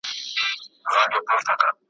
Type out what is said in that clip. په هغه ګړي قیامت وو ما لیدلی ,